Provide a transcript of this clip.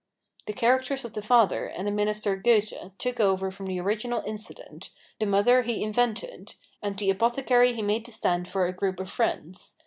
The characters of the father and the minister Goethe took over from the original incident, the mother he invented, and the apothecary he made to stand for a group of friends.